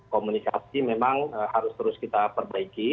komunikasi memang harus terus kita perbaiki